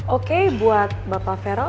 oke buat bapak feral